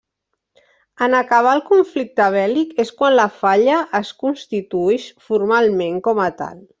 En acabar el conflicte bèl·lic és quan la falla es constituïx formalment com a tal.